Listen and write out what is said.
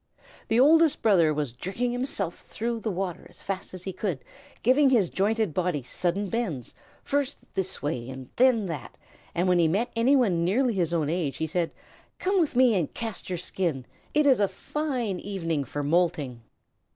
The Oldest Brother was jerking himself through the water as fast as he could, giving his jointed body sudden bends, first this way and then that, and when he met anyone nearly his own age he said, "Come with me and cast your skin. It is a fine evening for moulting."